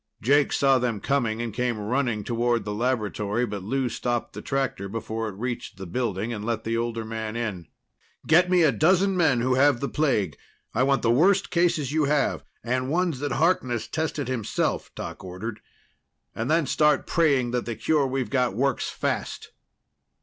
Jake saw them coming and came running toward the laboratory, but Lou stopped the tractor before it reached the building and let the older man in. "Get me a dozen men who have the plague. I want the worst cases you have, and ones that Harkness tested himself," Doc ordered. "And then start praying that the cure we've got works fast."